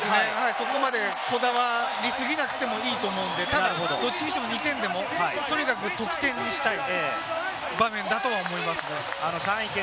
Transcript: そこまでこだわりすぎなくてもいいと思うので、ただ、どっちにしても、２点でもとにかく得点にしたい。